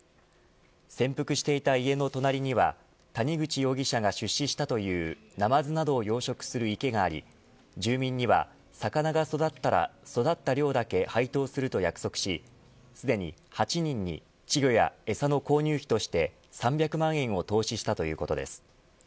潜伏していた家の隣には谷口容疑者が出資したというナマズなどを養殖する池があり住民には魚が育ったら育った量だけ配当すると約束しすでに８人に稚魚や餌の購入費として３００万円を投資したということです。